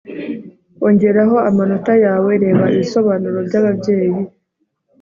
Ongeraho amanota yawe Reba ibisobanuro byababyeyi